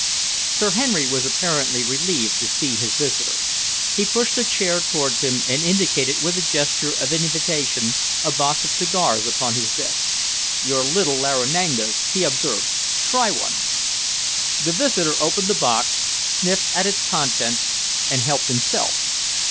Sir Henry was apparently relieved to see his visitor. He pushed a chair towards him and indicated with a gesture of invitation a box of cigars upon his desk. "Your little Laranagas," he observed. "Try one." The visitor opened the box, sniffed at its contents, and helped himself.